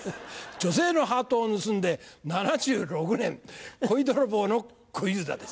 女性のハートを盗んで７６年恋泥棒の小遊三です。